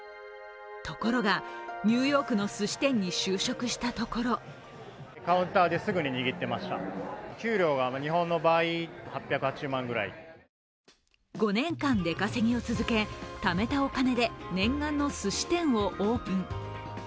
ところがニューヨークのすし店に就職したところ５年間、出稼ぎを続け、ためたお金で念願のすし店をオープン。